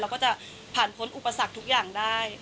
ก็จะผ่านพ้นอุปสรรคทุกอย่างได้